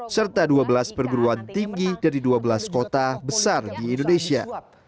serta dua belas perguruan tinggi dari dua belas kota besar di indonesia